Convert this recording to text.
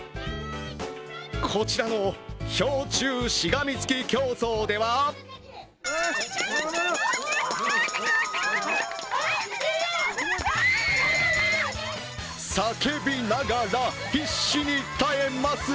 こちらの氷柱しがみ付き競争では叫びながら必死に耐えます。